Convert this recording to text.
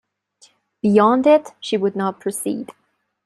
Beyond it, she would not proceed.